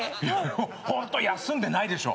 ホント休んでないでしょ？